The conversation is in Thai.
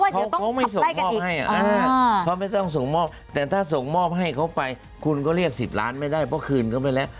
เขาไม่ส่งมอบให้เขาไม่ต้องส่งมอบแต่ถ้าส่งมอบให้เขาไปคุณก็เรียก๑๐ล้านไม่ได้เพราะคืนเขาไปแล้ว